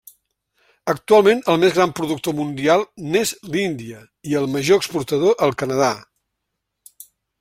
Actualment el més gran productor mundial n'és l'Índia i el major exportador el Canadà.